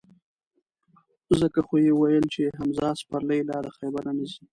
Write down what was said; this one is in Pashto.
ځکه خو یې ویل چې: حمزه سپرلی لا د خیبره نه ځي.